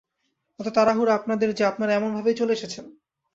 এত তাড়াহুড়ো আপনাদের যে আপনারা এমন ভাবেই চলে এসেছেন?